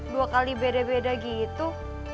dua kali beda beda gitu